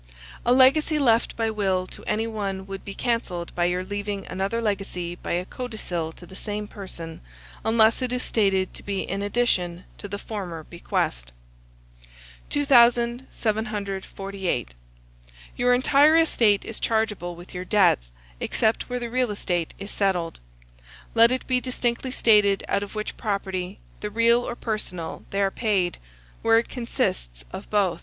A legacy left by will to any one would be cancelled by your leaving another legacy by a codicil to the same person, unless it is stated to be in addition to the former bequest. 2748. Your entire estate is chargeable with your debts, except where the real estate is settled. Let it be distinctly stated out of which property, the real or personal, they are paid, where it consists of both.